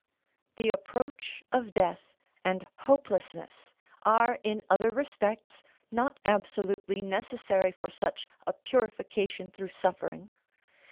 The approach of death and hopelessness are in other respects not absolutely necessary for such a purification through suffering.